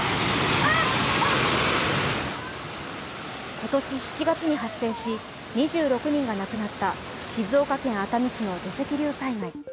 今年７月に発生し２６人が亡くなった静岡県熱海市の土石流災害。